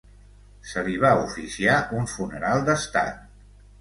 Se li va oficiar un funeral d'estat.